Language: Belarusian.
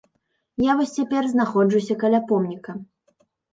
Я вось цяпер знаходжуся каля помніка.